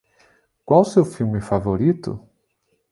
Qual seu filme favorito?